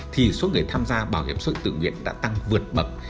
thì số người tham gia bảo hiểm xã hội tự nguyện đã tăng vượt bậc